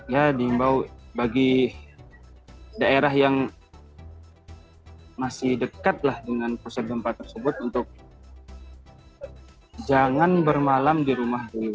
ya diimbau bagi daerah yang masih dekat lah dengan proses gempa tersebut untuk jangan bermalam di rumah dulu